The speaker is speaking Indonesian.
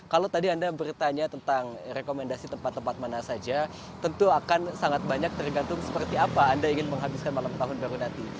kalau tadi anda bertanya tentang rekomendasi tempat tempat mana saja tentu akan sangat banyak tergantung seperti apa anda ingin menghabiskan malam tahun baru nanti